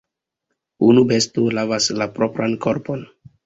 Unu besto lavas la propran korpon.